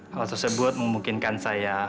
hal tersebut memungkinkan saya